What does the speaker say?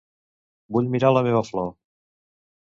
Vull mirar la meva flor.